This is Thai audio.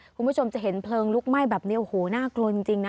คุณผู้ชมจะเห็นเพลิงลุกไหม้แบบนี้โอ้โหน่ากลัวจริงนะ